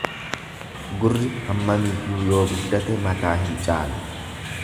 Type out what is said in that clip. Gurri hammamiyyuu yoo guddate mataa hin caalu.